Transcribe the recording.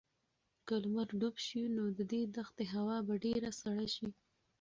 که لمر ډوب شي نو د دې دښتې هوا به ډېره سړه شي.